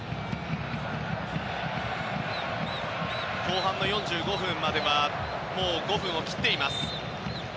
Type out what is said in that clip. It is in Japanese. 後半４５分までは５分を切っています。